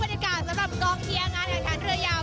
บรรยากาศสำหรับกองเทียงงานการคาร์ดเรือยาว